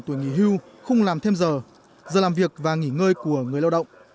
tuổi nghỉ hưu không làm thêm giờ giờ làm việc và nghỉ ngơi của người lao động